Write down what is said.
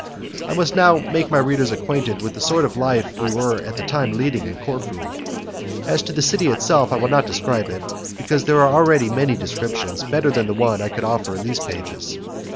I must now make my readers acquainted with the sort of life we were at that time leading in Corfu. As to the city itself, I will not describe it, because there are already many descriptions better than the one I could offer in these pages.